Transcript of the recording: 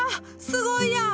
すごいやん！